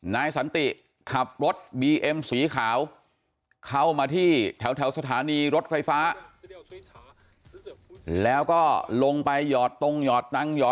นายสันติขับรถบีเอ็มสีขาวเข้ามาที่แถวสถานีรถไฟฟ้า